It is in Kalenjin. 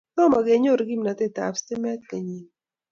Tomo kenyoru kimnaetetab stimet kenyini.